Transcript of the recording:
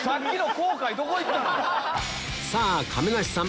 さぁ亀梨さん